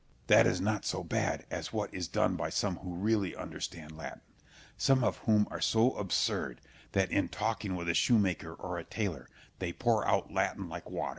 Scip. That is not so bad as what is done by some who really understand Latin; some of whom are so absurd, that in talking with a shoemaker or a tailor, they pour out Latin like water.